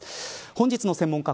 本日の専門家